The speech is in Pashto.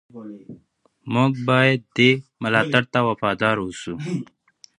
موږ باید دې ملاتړ ته وفادار اوسو.